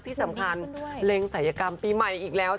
ที่สำคัญแลงสายกรรมปีไม่อีกแล้วค่ะ